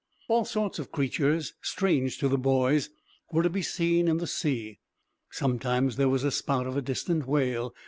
All sorts of creatures, strange to the boys, were to be seen in the sea. Sometimes there was a spout of a distant whale.